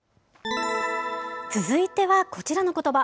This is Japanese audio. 続いてはこちらのことば。